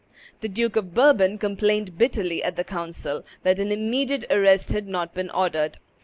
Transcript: The Duke of Bourbon complained bitterly at the council that an immediate arrest had not been ordered.